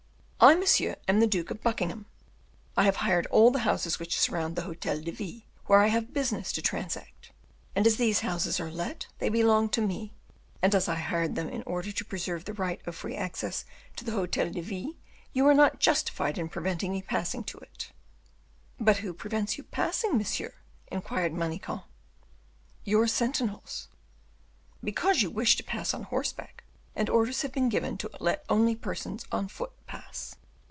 "I, monsieur, am the Duke of Buckingham; I have hired all the houses which surround the Hotel de Ville, where I have business to transact; and as these houses are let, they belong to me, and, as I hired them in order to preserve the right of free access to the Hotel de Ville, you are not justified in preventing me passing to it." "But who prevents you passing, monsieur?" inquired Manicamp. "Your sentinels." "Because you wish to pass on horseback, and orders have been given to let only persons on foot pass."